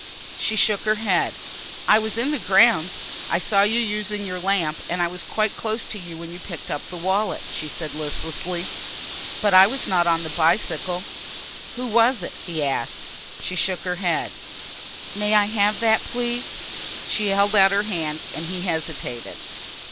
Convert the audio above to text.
She shook her head. "I was in the grounds I saw you using your lamp and I was quite close to you when you picked up the wallet," she said listlessly, "but I was not on the bicycle." "Who was it?" he asked. She shook her head. "May I have that please?" She held out her hand and he hesitated.